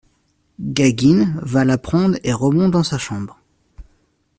Gaguine va la prendre et remonte dans sa chambre.